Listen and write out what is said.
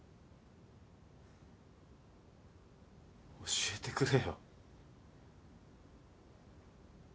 教えてくれよ。